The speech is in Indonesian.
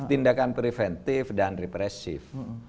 tindakan preventif dan repressif